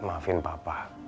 hai maafin papa